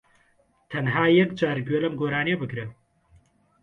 تەنھا یەکجار گوێ لەم گۆرانیە بگرە